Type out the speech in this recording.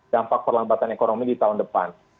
dampak perlambatan ekonomi di tahun depan